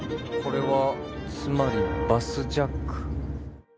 これはつまりバスジャック。